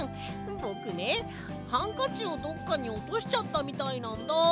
ぼくねハンカチをどっかにおとしちゃったみたいなんだ。